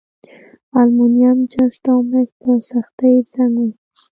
المونیم، جست او مس په سختي زنګ وهي.